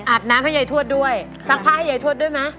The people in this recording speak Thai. อาบน้ำให้ใหญ่ทวดด้วยซักผ้าให้ใหญ่ทวดด้วยมั้ย